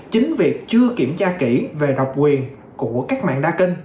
chính việc chưa kiểm tra kỹ về độc quyền của các mạng đa kinh